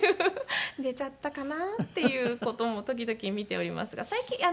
寝ちゃったかなっていう事も時々見ておりますが最近。